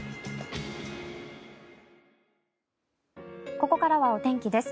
ここからはお天気です。